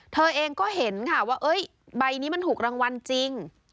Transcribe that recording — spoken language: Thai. เธอเองก็เห็นค่ะว่าใบนี้มันถูกรางวัลจริง